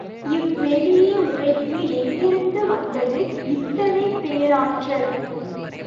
இவ்வெளிய உரைக்கு எங்கிருந்து வந்தது இத்தனைப் பேராற்றல்?